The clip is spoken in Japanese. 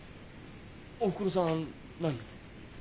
おふくろさん何？